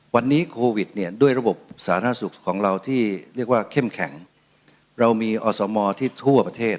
วันนี้โควิดเนี่ยด้วยระบบสาธารณสุขของเราที่เรียกว่าเข้มแข็งเรามีอสมที่ทั่วประเทศ